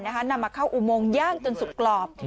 นำมาเข้าอุโมงย่างจนสุกกรอบ